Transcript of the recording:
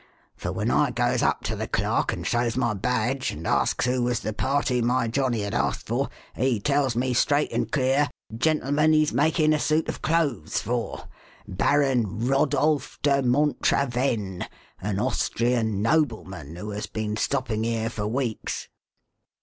For when I goes up to the clerk and shows my badge and asks who was the party my johnnie had asked for, he tells me straight and clear: 'Gentleman he's making a suit of clothes for Baron Rodolf de Montravenne, an Austrian nobleman, who has been stopping here for weeks!"